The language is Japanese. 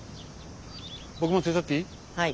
僕も手伝っていい？